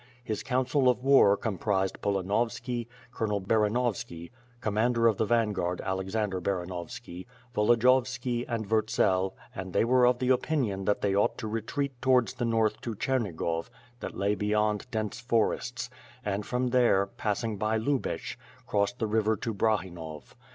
His council of war com prised Polanovski, Colonel Baranovski, commander of the vanguard Alexander Baranovski, Volodiyovski and Vurtsel and they were of the opinion that they ought to retreat to wards the north to Chernigov that lay beyond dense forests, and from there, passing by Lubech, cross the river to Brah inov.